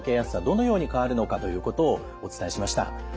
どのように変わるのかということをお伝えしました。